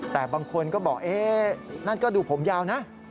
แต่บางคนก็บอกเอ๊ะนั่นก็ดูผมยาวนะ